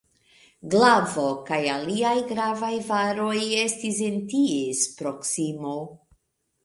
Glavo kaj aliaj gravaj varoj estis en ties proksimo.